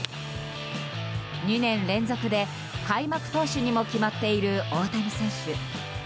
２年連続で開幕投手にも決まっている大谷選手。